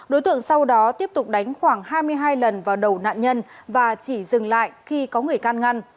đối tượng sau đó tiếp tục đánh khoảng hai mươi hai lần vào đầu nạn nhân và chỉ dừng lại khi có người can ngăn